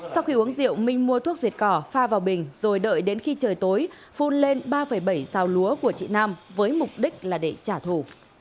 sau khi uống rượu minh mua thuốc diệt cỏ pha vào bình rồi đợi đến khi trời tối phun lên ba bảy xào lúa của chị nam với mục đích là để trả thù